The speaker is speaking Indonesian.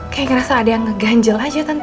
kayak ngerasa ada yang ngeganjel aja